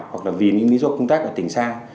hoặc là vì những lý do công tác ở tỉnh sang